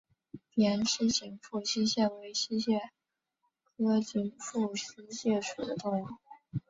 扁肢紧腹溪蟹为溪蟹科紧腹溪蟹属的动物。